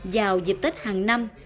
vào dịp tết hàng năm